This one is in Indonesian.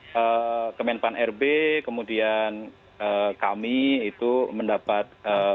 kemudian pan rb kemudian kami itu mendapat